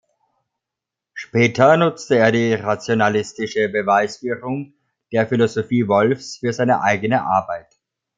Später nutzte er die rationalistische Beweisführung der Philosophie Wolffs für seine eigene Arbeit.